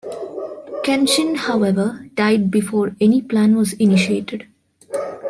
Kenshin however, died before any plan was initiated.